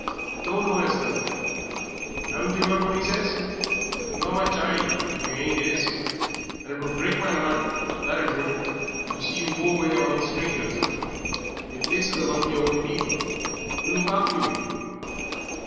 "No, no, Esther. 'Aven't yer 'eard what 'e says? Ye are my child if you ain't 'is, and it would break my 'eart, that it would, to see you go away among strangers. Yer place is among yer own people, who'll look after you."